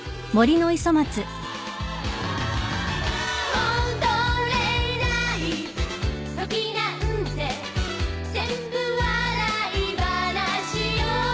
「戻れない時なんて全部笑い話よ」